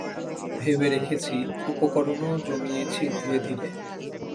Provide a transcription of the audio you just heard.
ভেবে রেখেছি, উপকরণও জমিয়েছি ধীরে ধীরে।